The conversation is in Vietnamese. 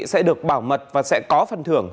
sẽ được bảo mật và sẽ có phần thưởng